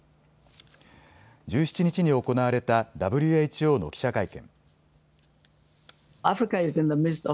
１７日に行われたＷＨＯの記者会見。